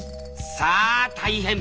さあ大変！